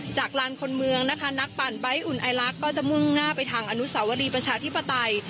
ลานคนเมืองนะคะนักปั่นใบ้อุ่นไอลักษณ์ก็จะมุ่งหน้าไปทางอนุสาวรีประชาธิปไตย